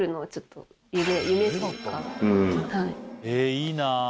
いいなぁ。